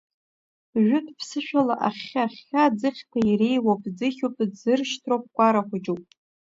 Жәытә ԥсышәала ахьхьыахьхьа аӡыхьӡқәа иреиуоуп, ӡыхьуп, ӡыршьҭроуп, кәара хәыҷуп…